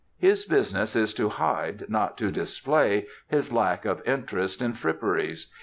His business is to hide, not to display, his lack of interest in fripperies.